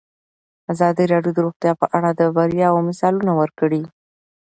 ازادي راډیو د روغتیا په اړه د بریاوو مثالونه ورکړي.